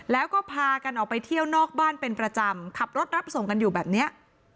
แล้วก็พากันออกไปเที่ยวนอกบ้านเป็นประจำขับรถรับส่งกันอยู่แบบนี้